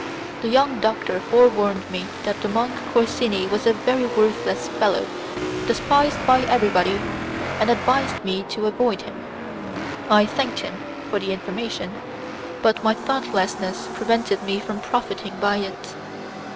The young doctor forewarned me that the monk Corsini was a very worthless fellow, despised by everybody, and advised me to avoid him. I thanked him for the information, but my thoughtlessness prevented me from profiting by it.